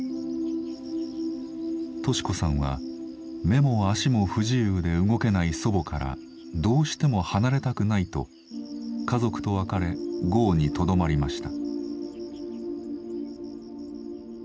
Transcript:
敏子さんは目も足も不自由で動けない祖母からどうしても離れたくないと家族と別れ壕にとどまりました。